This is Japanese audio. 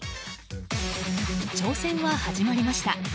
挑戦は始まりました。